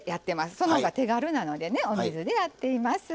そのほうが手軽なのでお水でやっています。